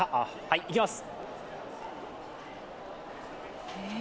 いきます！